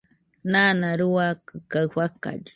Nana ruakɨ kaɨ fakallɨ